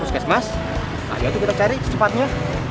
puskesmas ayo kita cari cepatnya